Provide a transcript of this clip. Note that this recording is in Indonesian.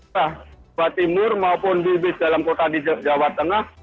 bahkan timur maupun bis bis dalam kota di jawa tengah